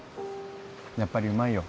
やっぱりうまいよ。